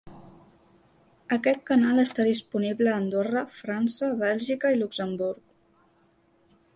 Aquest canal està disponible a Andorra, França, Bèlgica i Luxemburg.